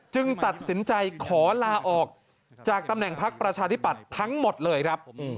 ตัดสินใจขอลาออกจากตำแหน่งพักประชาธิปัตย์ทั้งหมดเลยครับ